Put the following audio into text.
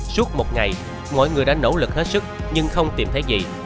suốt một ngày mọi người đã nỗ lực hết sức nhưng không tìm thấy gì